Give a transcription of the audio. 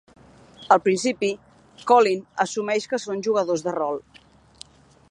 Al principi, Colleen assumeix que són jugadors de rol.